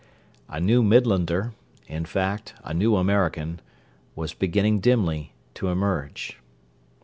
A new Midlander—in fact, a new American—was beginning dimly to emerge.